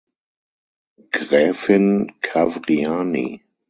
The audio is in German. Gräfin Cavriani.